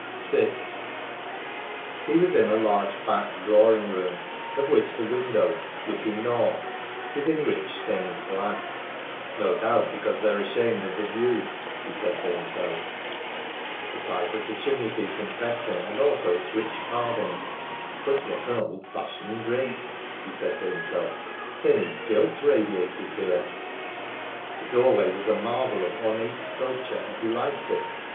VI. He was in a large back drawing room, of which the window, looking north, was in rich stained glass. "No doubt because they're ashamed of the view," he said to himself. The size of the chimneypiece impressed him, and also its rich carving. "But what an old fashioned grate!" he said to himself. "They need gilt radiators here." The doorway was a marvel of ornate sculpture, and he liked it.